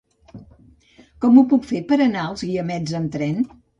Com ho puc fer per anar als Guiamets amb tren?